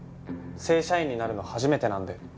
正社員になるの初めてなんで。